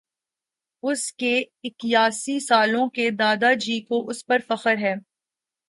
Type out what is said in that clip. اُس کے اِکیاسی سالوں کے دادا جی کو اُس پر فخر ہے